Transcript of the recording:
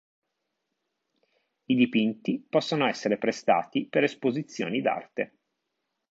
I dipinti possono essere prestati per esposizioni d'arte.